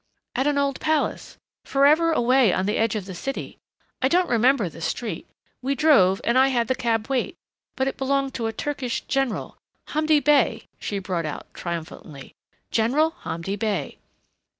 "At an old palace, forever away on the edge of the city. I don't remember the street we drove and I had the cab wait. But it belonged to a Turkish general. Hamdi Bey," she brought out triumphantly. "General Hamdi Bey."